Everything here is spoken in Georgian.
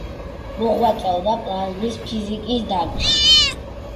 მოღვაწეობდა პლაზმის ფიზიკის დარგში.